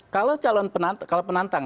kalau calon penantang kalau penantang ya